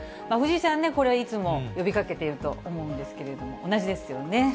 藤井さんね、これはいつも呼びかけていると思うんですけれども、同じですよね。